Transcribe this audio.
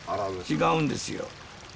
違うんですよ。